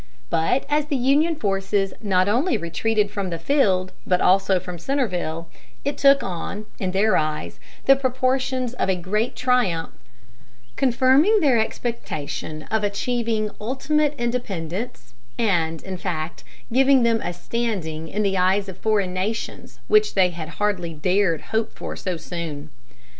But as the Union forces not only retreated from the field, but also from Centreville, it took on, in their eyes, the proportions of a great triumph; confirming their expectation of achieving ultimate independence, and, in fact, giving them a standing in the eyes of foreign nations which they had hardly dared hope for so soon.